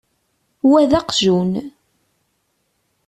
Wa d aqjun.